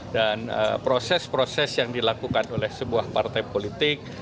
proses proses yang dilakukan oleh sebuah partai politik